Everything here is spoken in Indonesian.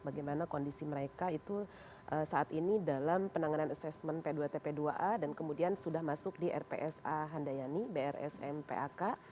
bagaimana kondisi mereka itu saat ini dalam penanganan assessment p dua tp dua a dan kemudian sudah masuk di rpsa handayani brsm pak